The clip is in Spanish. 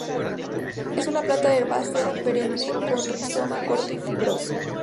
Es una planta herbácea perenne con rizoma corto y fibroso.